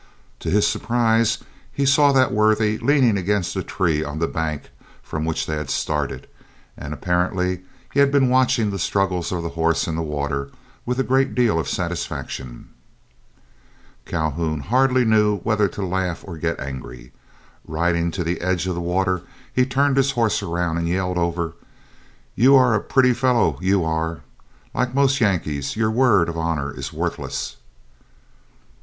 To his surprise he saw that worthy leaning against a tree on the bank from which they had started, and apparently he had been watching the struggles of the horse in the water with a great deal of satisfaction. Calhoun hardly knew whether to laugh or get angry. Riding to the edge of the water, he turned his horse around, and yelled over, "You are a pretty fellow, you are! Like most Yankees, your word of honor is worthless."